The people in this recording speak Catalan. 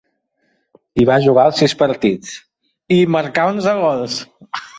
Hi va jugar els sis partits, i hi marcà onze gols.